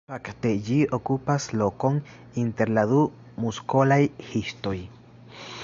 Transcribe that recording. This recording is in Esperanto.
Fakte ĝi okupas lokon inter la du muskolaj histoj.